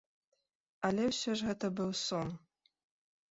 Але ўсё ж гэта быў сон.